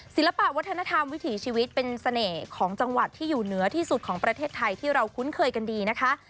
ศิลปะวัฒนธรรมวิถีชีวิตเป็นเสน่ห์ของจังหวัดที่อยู่เหนือที่สุดของประเทศไทยที่เราคุ้นเคยกันดีนะคะ